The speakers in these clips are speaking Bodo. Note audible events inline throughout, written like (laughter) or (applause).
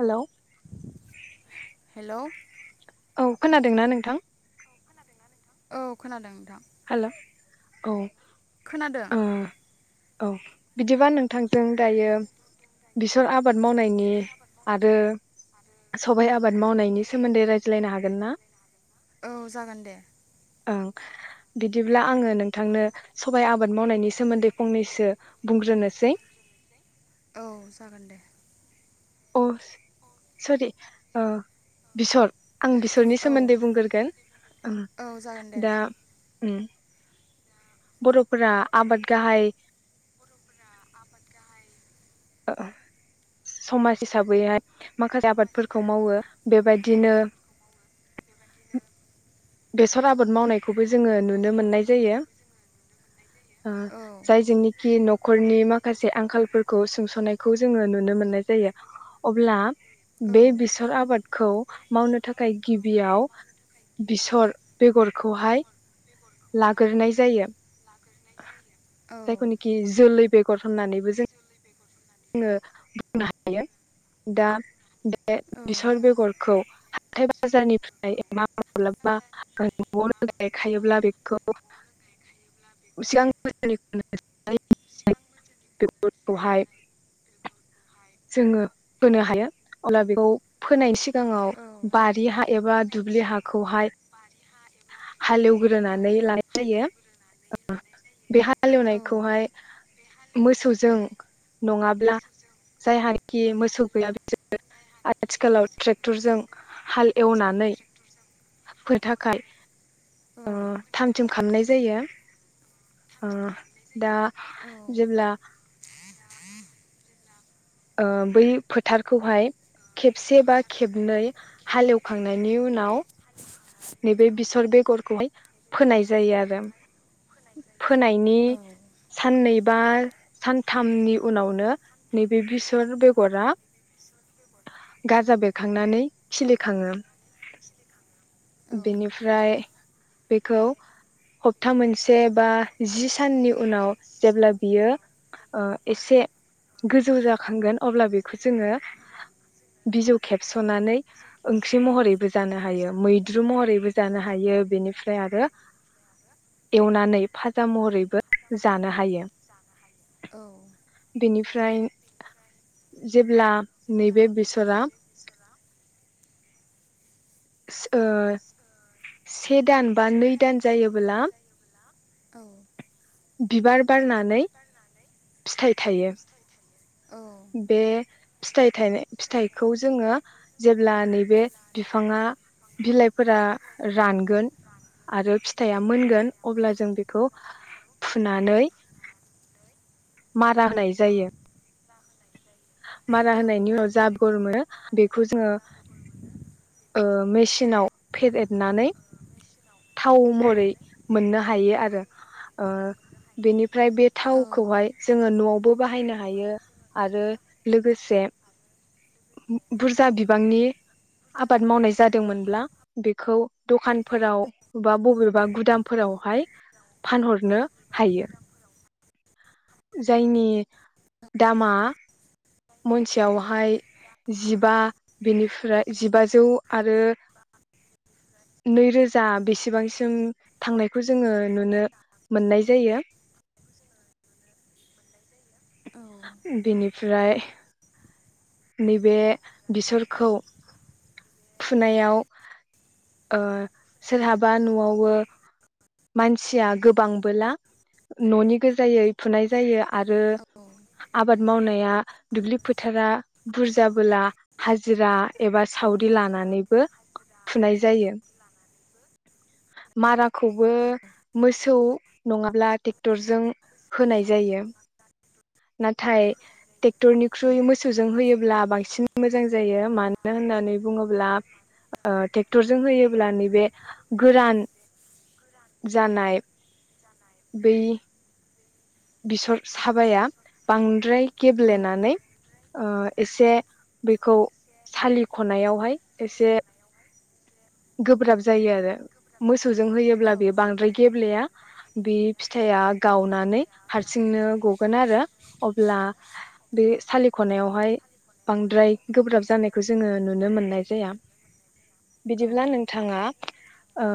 हेल' हेलौ औ खोनादों ना नोंथां औ खोनादों नोंथां हेल' औ खोनादों ओ औ बिदिबा नोंथांजों दायो बेसर आबाद मावनायनि आरो सबाय आबाद मावनायनि सोमोन्दै रायज्लायनो हागोन ना औ जागोन दे ओं बिदिब्ला आङो नोंथांनो सबाइ आबाद मावनायनि सोमोन्दै फंनैसो बुंग्रोनोसै औ जागोन दे अ सरि बिसर आं बिसरनि औ सोमोन्दै बुंग्रोगोन औ जागोन दे दा उम बर'फोरा आबाद गाहाय समाज हिसाबैहाय माखासे आबादफोरखौ मावो बेबायदिनो बेसर आबाद मावनायखौबो जोङो नुनो नुनो मोननाय जायो औ जाय जोंनिखि न'खरनि माखासे आंखालफोरखौ सोंस'नायखौ जोङो नुनो मोननाय जायो अब्ला औ बे बेसर आबादखौ मावनो थाखाय गिबियाव बेसर बेगरखौहाय लाग्रोनाय जायो औ जायखौ नाखि जोलै बेगर होननानैबो जों जोङो बुंनो हायो दा बे औ बेसर बेगरखौ हाइ बाजारनिफ्राय मा माब्लाबा न'आवनो गायखायोब्ला बेखौ खौ सिगां बोसोरनिखौनो (unintelligible) खौहाय जोङो होनो हायो अब्ला बेखौ फोनाय सिगां जोंङो बारि हा एबा दुब्लि हाखौहाय हालेवग्रोनानै लानाय जायो बे हालेवनायखौहाय मोसौजों नङाब्ला जायहााखि मोसौ गैया बिसोरो आथिखालाव ट्रेक्टरजों हाल एवनानै फोथारखौ (inaudible) अ थाम थिम खालामनाय जायो जायो दा जेब्ला ओ बै फोथारखौहाय खेबसे बा खेबनै हालेवखांनायनि उनाव नैबे बेसर बेगरखौहाय फोनाय जायो आरो फोनायनि साननै बा सानथामनि उनावनो नैबे बेसर बेगरा गाजा बेरखांनानै खिलिखाङो खिलि खाङो बेनिफ्राय बेखौ हप्ता मोनसे बा जि साननि उनाव जेब्ला बियो ओ एसे गोजौ जाखांगोन अब्ला बेखौ जोङो बिजौ खेबस'नानै ओंख्रि महरैबो जानो हायो मैद द्रु महरैबो जानो हायो बेनिफ्राय आरो एवनानै फाजा महरैबो जानो हायो औ बेनिफ्राय जेब्ला नैबे बेसरा ओ से दान बा नै दान जायोबोला औ बिबार बारनानै फिथाइ थायो बे फिथाय थानाय फिथाइखौ जोङो जेब्ला नैबे बिफाङा बिलाइफोरा रानगोन आरो फिथाइया मोनगोन अब्ला जों बेखौ फुनानै मारा होनाय जायो मारा होनायनि उनाव जाबोर मोनो बेखौ जोङो मेसिनाव फेदेदनानै थाव महरै मोननो हायो आरो ओ बेनि ओमफ्राय बे थावखौहाय जोङो न'आव बो बाहायनो हायो आरो लोगोसे बुरजा बिबांनि आबाद मावनाय जादोंमोनब्ला बेखौ दखानफोराव बा बबेबा गुदामफोरावहाय फानहरनो हायो जायनि दामा मनसेयावहाय जिबा बेनिफ्राय जिबाजौ आरो नैरोजा बेसेबांसिम थांनायखौ जोङो नुनो मोननाय जायो बिनि ओमफ्राय नैबे बिसरखौ फुनायाव ओ सोरहाबा न'आवबो मानसिया गोबांबोला न'नि गोजायै फुनाय जायो आरो आबाद मावनाया दुब्लि फोथारा बुरजाबोला हाजिरा एबा सावद लानानैबो फुनाय जायो माराखौबो मोसौ नङाब्ला ट्रेक्टरजों होनाय जायो नाथाय ट्रेक्टरनिख्रुय मोसौजों होयोब्ला बांसिन मोजां जायो मानो होननानै अब्ला ट्रेक्टरजों होयोब्ला ओ नैबे गोरान जानाय बै बिसर साबाया बांद द्राय गब्लेनानै एसे बेखौ सालिख'नायावहाय एसे गोब्राब जायो आरो मो मोसौजों होयोब्ला बेयो बांद्राय औ गेब्लेया औ औ बिफ फिथाइआ औ गावनानै हारसिंनो ग बोन आरो अब्ला बे सालिखनायावहाय बांद्राय गोब्राब जानायखौ जोङो नुनो मोननाय जाया अब्ला औ बिदिब्ला नोंथाङा ओ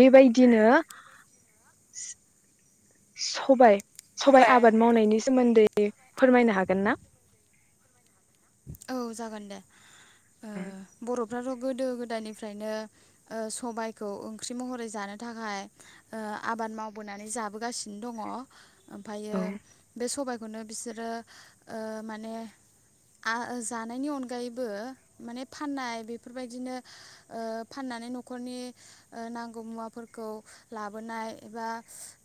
बेबायदिनो सबाय सबाइ आबाद मावनायनि सोमोन्दै फोरमायनो हागोन ना औ जागोन दे ओ आरो (unintelligible) बरफ्राथ' गोदो गोदायनिफ्रायनो ओ सबायखौ ओंख्रि महरै जानो थाखाय ओ आबाद मावबोनानै जाबोगासिनो दङ ओमफायो बे सबायाइखौ खौनो बिसोरो ओ माने आं जानायनि अनगायैबो माने फाननाय बेफोरबायदिनो ओ फाननानै न'खरनि ओ नांगौ मुवाफोरखौ लाबोनाय एबा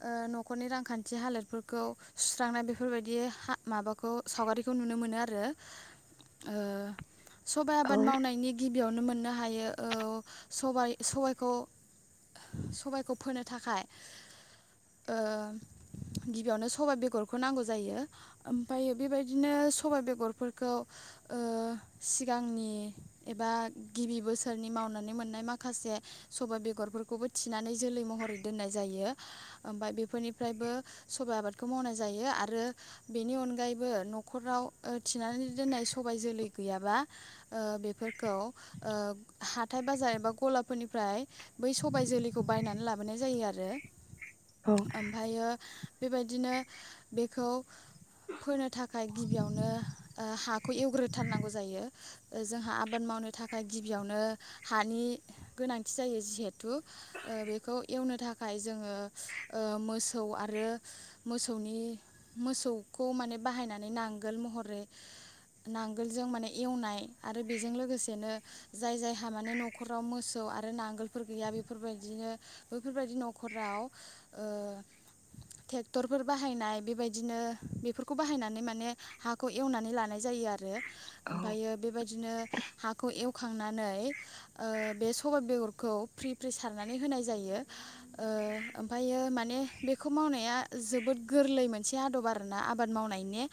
ओ न'खरनि रांखान्थि हालोदफोरखौ सुस्रांनाय बेफोरबायदि माबाखौ सावगारिखौ नुनो मोनो आरो ओ सबाय आबाद मावनायनि गिबि गिबियावनो मोननो हायो ओ सबाय- सबाइखौ सबायखौ फोनो थाखाय ओ गिबियावनो सबाइ बेगरखौ नांगौ जायो ओमफाय बेबायदिनो सबाइ बेगर फोरफोरखौ ओ सिगांनि एबा गिबि बोसोरनि मावनानै मोननाय माखासे सबाय बेगरफोरखौबो थिनानै जोलै महरै दोननाय जायो ओमफाय बेफोरनिफ्रायबो सबाइ आबादखौ मावनाय जायो आरो बेनि अनगायैबो न'खराव ओ थिनानै दोननाय सबाय जोलै गैयाबा ओ बेफोरखौ ओ हाथाय बाजार एबा गलाफोरनिफ्राय बै सबाय जोलैखौ बायनानै लाबोनाय जायो आरो औ ओमफायो बेबायदिनो बेखौ फोनो थाखाय गिबियावनो ओ हाखौ एवग्रोथारनांगौ जायो जोंहा आबाद मावनो थाखाय गिबियावनो हानि गोनांथि जायो जिहेथु ओ बेखौ एवनो थाखाय जोङो ओ मोसौ आरो मोसौनि मोसौखौ माने बाहायनानै नांगोल महरै नांगोलजों माने एवनाय आरो बेजों लोगोसेनो जाय जायहा माने न'खराव मोसौ आरो नांगोलफोर गैया बेफोरबायदिनो बैफोरबायदि न'खराव ओ थेक्टरफोर बाहायनाय बेबायदिनो बेफोरखौ बाहायनानै माने हाखौ एवनानै लानाय जायो आरो औ ओमफायो बेबायदिनो हाखौ एवखांनानै ओ बे सबाइ बेगरखौ फ्रि फ्रि सारनानै होनाय जायो ओ ओमफायो माने बेखौ मावनाया जोबोद गोरलै मोनसे आदब आरोना आबाद मावनायनि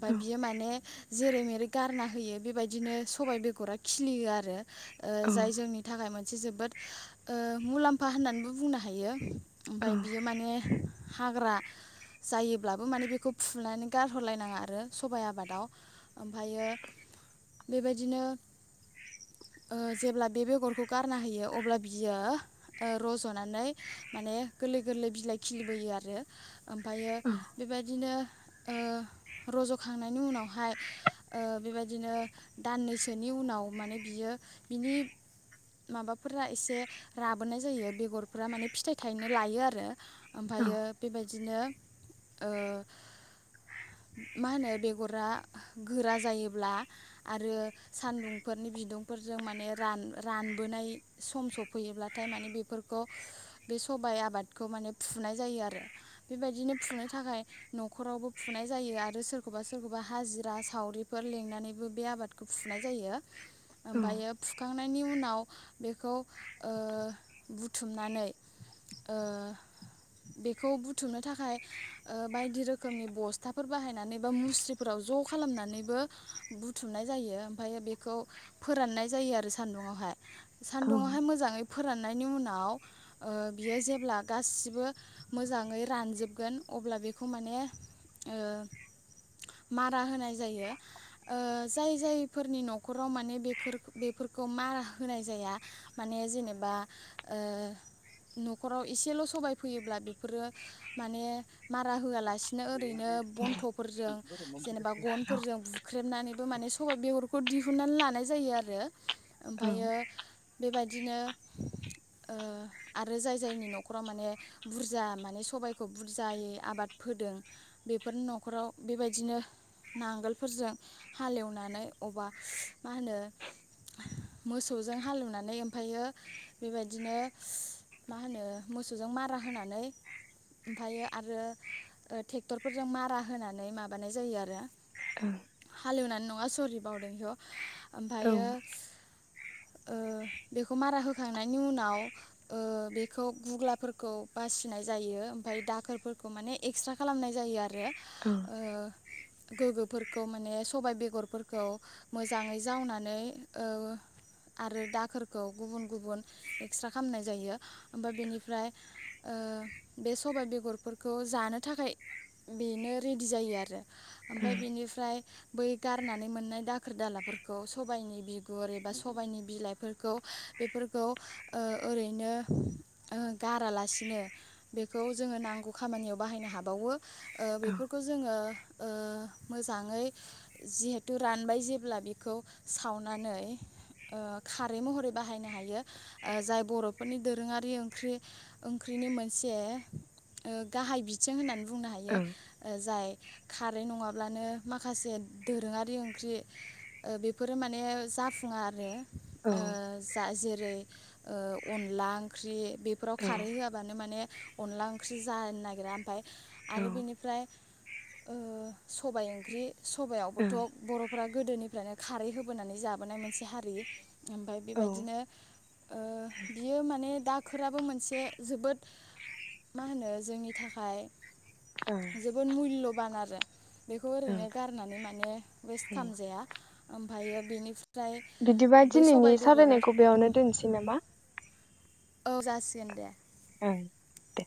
फाय बियो माने जेरै मेरै गारना होयो बेबायदिनो सबाइ बेगरा खिलियो आरो ओ औ जाय जोंनि थाखाय मोन से जोबोद मुलाम्फा होननानैबो बुंनो हायो ओमफाय बियो माने हाग्रा जायोब्लाबो माने बेखौ फुनानै गारहरलायनाङा आरो सबाइ आबादाव ओमफायो बेबायदिनो ओ जेब्ला बे बेगरखौ गारना होयो अब्ला बियो रज'नानै माने गोरलै गोरलै बिलाइ खिलिबोयो आरो ओमफायो बेबायदिनो ओ रज'खांनायनि उनावहाय ओ बेबायदिनो दाननैसोनि उनाव माने बियो बिनि माबाफोरा एसे राबोनाय जायो बेगरफोरा माने फिथाइ थायनो लायो आरो औ ओमफायो बेबायदिनो ओ मा होनो बेगरा गोरा जायोब्ला आरो सान्दुंफोरनि बिदुंफोरजों माने रान-रानबोनाय सम सफैयोब्लाथाय माने बेफोरखौ बे सबाइ आबादखौ माने फुनाय जायो आरो बेबायदिनो फुनो थाखाय न'खरावबो फुनाय जायो आरो सोरखौबा सोरखौबा हाजिरा सावरिफोर लेंनानैबो बे आबादखौ फुनाय जायो औ ओमाफायो फुखां नायनि उनाव बेखौ ओ बुथुमनानै ओ बेखौ बुथुमनो थाखाय बायदि रोखोमनि बसथा फिथाफोर बाहायनानै बा मुस्रिफोराव ज' खालामनानैबो बुथुमनाय जायो ओमफायो बेखौ फोराननाय जायो आरो सान्दुं आवहाय सान्दुङावहाय मोजाङै फोराननायनि उनाव ओ बियो जेब्ला गासिबो मोजाङै रानजोबगोन अब्ला बेखौ माने ओ मारा होनाय जायो ओ जाय जायफोरनि न'खराव माने बे बेफोरखौ मारा होनाय जाया माने जेनेबा ओ न'खराव एसेल' सबाय फोयोब्ला बेफोरो माने मारा होआलासिनो ओरैनो बनथ'फोरजों जेनेबा औ गनफोरजों बुख्रेबनानै बो माने सबाइ बेगरखौ दिहुनन्नानै लानाय जायो आरो ओमफ्रायो बेबायदिनो आरो जाय जायनि न'खराव माने बुरजा माने सबाइखौ बुरजायै आबाद फोदों बेफोरनि न'खराव बेबायदिनो नांगोलफोरजों हालेवनानै अबा मा होनो मोसौजों हालेवनानै ओमफ्रायो बेबायदिनो मा होनो मोसौजों मारा होनानै ओमफ्रायो आरोे टेक्टरफोरजों मारा होनानै माबानाय जायो आरो हालेवनानै नङा सरिबावदों बेखौ ओमफायो बेखौ मारा होखांनायनि उनाव बेखौ गुग्लाफोरखौ बासिनाय जायो ओमफ्राय दाखोरफोरखौ माने एक्सट्रा खालामनाय जायो आरो औ ओ गोग्गोफोरखौ माने सबाय बेगरफोरखौ मोजाङै जावनानै आरो दाखोरखौ गुबुन गुबुन एक्सट्रा खालामनाय जायो ओमफ्राय बेनिफ्राय बे सबाय बेगरफोरखौ जानो थाखाय बेनो रेडि जायो आरो ओमफ्राय बिनिफ्राय बै गारनानै मोननाय दाखोर दालाफोरखौ सबायनि बिगुर एबा सबायनि बिलायफोरखौ बेफोरखौ ओ ओरैनो गारालासिनो बेखौ जोंङो नांगौ खामानियाव बाहायनो हाबावो औ बेफोरखौ जोङो मोजाङै जिहेथु रानबाय जेब्ला बेखौ सावनानै खारै महरै बाहायनो हायो जाय बर'फोरनि दोरोङारि ओंख्रि ओंख्रिनि मोनसे गाहाय बिथिं होननानै बुंनो हायो औ जाय खारै नङाब्लानो माखासे दोरोङारि ओंख्रि बेफोरो माने जाफुङा आरो ओ जाजेर जेरै अनला ओंख्रि बेफोराव खारै बिदिबा होआबानो माने अनला ओंख्रि जानो नागिरा ओमफफ्राय आरो बेनिफ्राय सबाय ओंख्रि सबायावबोथ' बर' फोरा गोदोनिफ्रायनो खारै होबोनानै जाबोनाय मोनसे हारि ओमफ्राय बेबायदिनो बियो माने दाखोराबो मोनसे जोबोद मा होनो जोंनि थाखाय जोबोर मुल्य' बान आरो बेखौ ओरैनो गारनानै माने माने वेस्ट खालामजाया ओमफ्रायो बेनिफ्राय बिदिबा बै दिनैनि सबाइ बेगरा सावरायनायखौ बेयावनो दोनसै नामा औ जासिगोन दे ओं दे